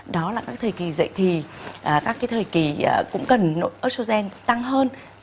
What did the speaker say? đó là các thời kỳ dậy thì các thời kỳ cũng cần nội estrogen tăng hơn